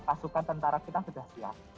pasukan tentara kita sudah siap